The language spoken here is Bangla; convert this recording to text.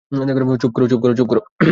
চুপ করো।